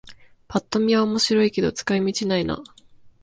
ぱっと見は面白いけど使い道ないな